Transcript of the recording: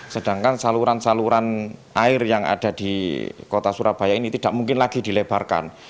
sedangkan saluran saluran air yang ada di kota surabaya ini tidak mungkin lagi dilebarkan